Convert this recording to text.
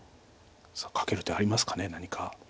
さあカケる手ありますか何か。